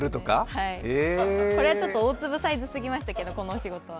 これはちょっと大粒サイズすぎましたけれど、このお仕事は。